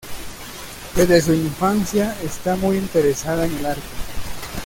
Desde su infancia, está muy interesada en el arte.